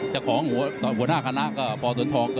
จะของหัวหน้าคณะก็พอสวนทองก็